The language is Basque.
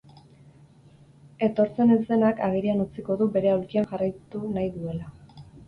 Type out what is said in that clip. Etortzen ez denak agerian utziko du bere aulkian jarraitu nahi duela.